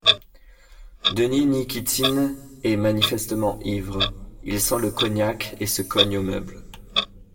Denis Nikitine est manifestement ivre, il sent le cognac et se cogne aux meubles.